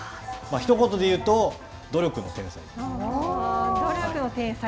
ひと言で言うと努力の天才。